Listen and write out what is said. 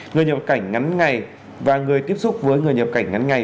người nhập cảnh ngắn ngày và người tiếp xúc với người nhập cảnh ngắn ngày